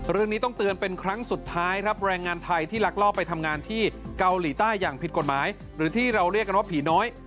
เรื่องนี้ต้องเตือนเป็นครั้งสุดท้ายครับแรงงานไทยที่ลักลอบไปทำงานที่เกาหลีใต้อย่างผิดกฎหมายหรือที่เราเรียกกันว่าผีน้อย